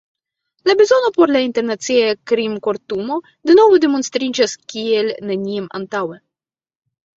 La bezono por la Internacia Krimkortumo denove demonstriĝas kiel neniam antaŭe.